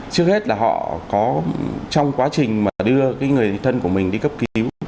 trước hết là họ có trong quá trình mà đưa người thân của mình đi cấp cứu